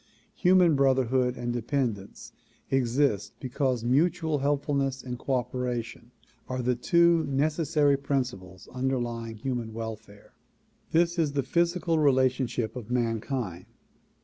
Human brotherhood and dependence exist because mutual helpfulness and cooperation are the two nec essary principles underlying human welfare. This is the physical relationship of mankind.